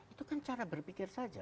itu kan cara berpikir saja